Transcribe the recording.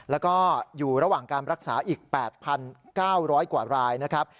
แล้วก็อยู่ระหว่างการรักษาอีก๘๙๐๐กว่ารายนะครับ